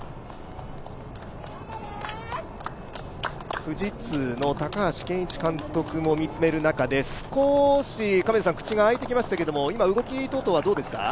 富士通の高橋健一監督も見つめる中で少し口が開いてきましたけど、今、動き等々はどうですか？